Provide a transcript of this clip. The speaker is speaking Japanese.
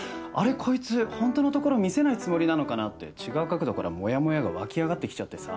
こいつホントのところ見せないつもりなのかなって違う角度からモヤモヤが湧き上がってきちゃってさ。